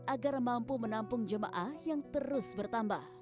agar mampu menampung jemaah yang terus bertambah